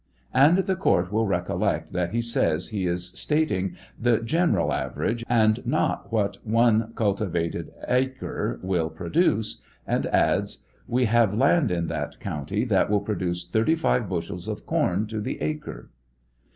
And the court will recollect that he says he is stating the "general average," and not what one cultivated acre will produce ; and adds : We have land in that county that will produce 35 bushels of corn to the acre.